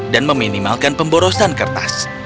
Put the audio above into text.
dan meminimalkan pemborosan kertas